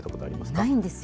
ないんですよ。